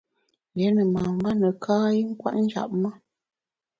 Rié ne mamba neka i nkwet njap me.